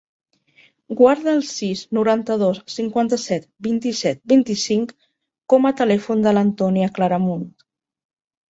Guarda el sis, noranta-dos, cinquanta-set, vint-i-set, vint-i-cinc com a telèfon de l'Antònia Claramunt.